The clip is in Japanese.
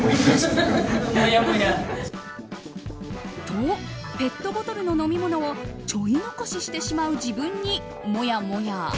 と、ペットボトルの飲み物をちょい残ししてしまう自分にもやもや。